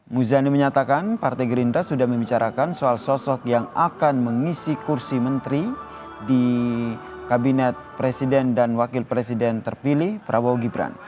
muzani menyatakan partai gerindra sudah membicarakan soal sosok yang akan mengisi kursi menteri di kabinet presiden dan wakil presiden terpilih prabowo gibran